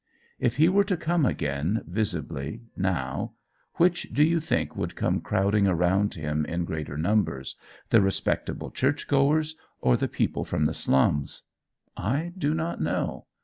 "If he were to come again, visibly, now, which do you think would come crowding around him in greater numbers the respectable church goers, or the people from the slums? I do not know.